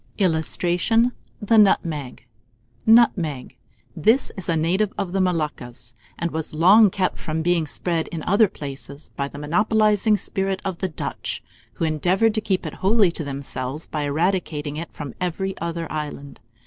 [Illustration: THE NUTMEG.] NUTMEG. This is a native of the Moluccas, and was long kept from being spread in other places by the monopolizing spirit of the Dutch, who endeavoured to keep it wholly to themselves by eradicating it from every other island.